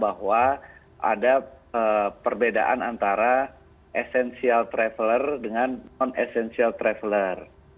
bahwa ada perbedaan antara essential traveler dengan non essential traveler